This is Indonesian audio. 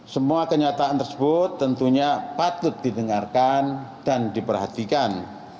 semua kenyataan tersebut tentunya patut didengarkan dan diperhatikan